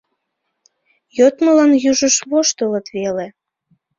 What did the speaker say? Йодмылан южышт воштылыт веле.